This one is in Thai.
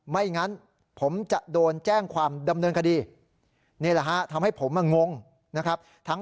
ไม่งั้นผมจะโดนแจ้งความดำเนินคดีนี่แหละฮะทำให้ผมงงนะครับ